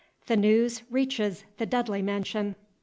THE NEWS REACHES THE DUDLEY MANSION.